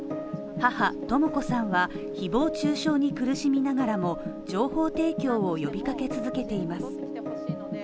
母とも子さんは誹謗中傷に苦しみながらも情報提供を呼びかけ続けています。